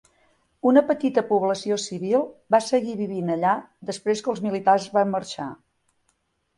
Una petita població civil va seguir vivint allà després que els militars van marxar.